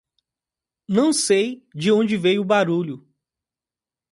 Não sei de onde veio o barulho.